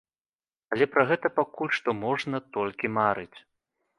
Але пра гэта пакуль што можна толькі марыць.